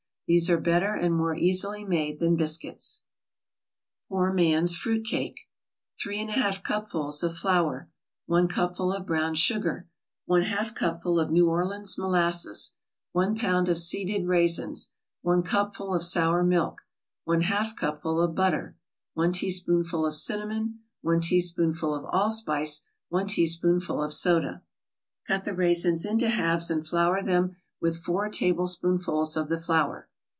These are better and more easily made than biscuits. POOR MAN'S FRUIT CAKE 3 1/2 cupfuls of flour 1 cupful of brown sugar 1/2 cupful of New Orleans molasses 1 pound of seeded raisins 1 cupful of sour milk 1/2 cupful of butter 1 teaspoonful of cinnamon 1 teaspoonful of allspice 1 teaspoonful of soda Cut the raisins into halves and flour them with four tablespoonfuls of the flour.